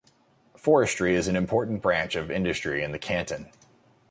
Forestry is an important branch of industry in the canton.